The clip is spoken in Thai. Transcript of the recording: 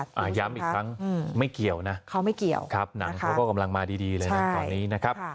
ย้ำอีกครั้งไม่เกี่ยวนะเขาไม่เกี่ยวหนังเขากำลังมาดีเลยนะครับ